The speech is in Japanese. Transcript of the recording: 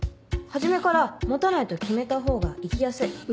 初めから持たないと決めたほうが生きやすい。